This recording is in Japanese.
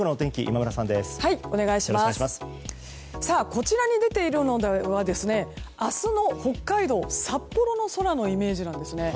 こちらに出ているのは明日の北海道札幌の空のイメージなんですね。